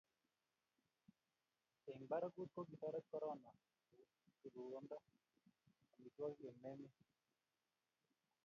eng' barakut, ko kitoret korona rorundo tab amitwogik eng' emet.